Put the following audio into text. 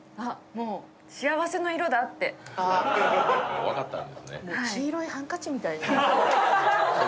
もうあっ分かったんですね